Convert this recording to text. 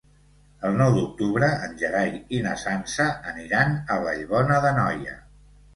El nou d'octubre en Gerai i na Sança aniran a Vallbona d'Anoia.